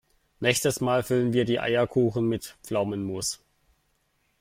Nächstes Mal füllen wir die Eierkuchen mit Pflaumenmus.